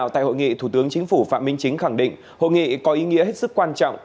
thủ tướng chính phủ phạm minh chính khẳng định hội nghị có ý nghĩa hết sức quan trọng